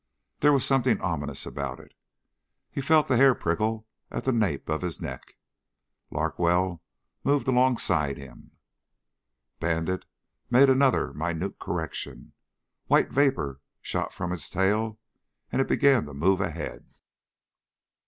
There was something ominous about it. He felt the hair prickle at the nape of his neck. Larkwell moved alongside him. Bandit made another minute correction. White vapor shot from its tail and it began to move ahead.